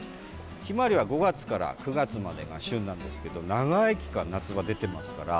ヒマワリは５月から９月までが旬なんですけど長い期間、夏場出てますから。